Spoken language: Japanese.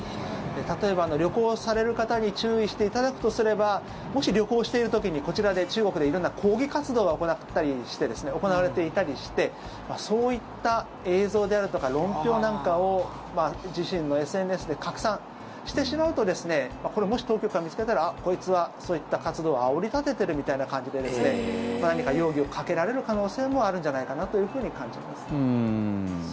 例えば、旅行される方に注意していただくとすればもし、旅行している時にこちらで中国で色んな抗議活動が行われていたりしてそういった映像であるとか論評なんかを自身のＳＮＳで拡散してしまうとこれ、もし当局が見つけたらあっ、こいつはそういった活動をあおり立ててるみたいな感じで何か容疑をかけられる可能性もあるんじゃないかなと感じます。